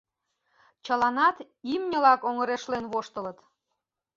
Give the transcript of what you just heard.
Чыланат имньылак оҥырешлен воштылыт.